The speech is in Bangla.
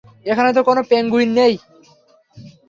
এখানে তো কোনো পেঙ্গুইন নেই।